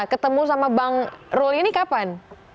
ketemu sama bang rul ini kapan